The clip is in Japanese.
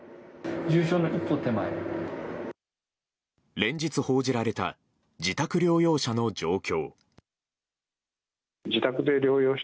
連日報じられた自宅療養者の状況。